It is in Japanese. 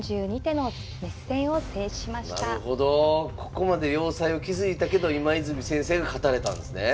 ここまで要塞を築いたけど今泉先生が勝たれたんですね。